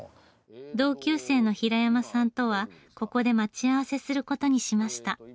同級生の平山さんとはここで待ち合わせする事にしました。